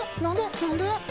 何で？